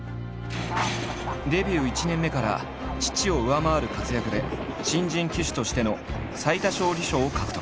デビュー１年目から父を上回る活躍で新人騎手としての最多勝利賞を獲得。